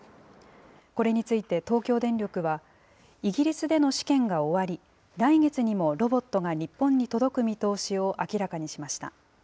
これについて東京電力は、イギリスでの試験が終わり、来月にもロボットが日本に届く見通しを明らかにしました。